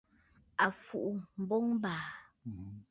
À fùʼu mboŋ ɨ̀bàà!